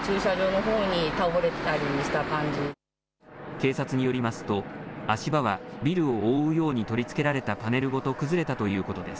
警察によりますと足場はビルを覆うように取り付けられたパネルごと崩れたということです。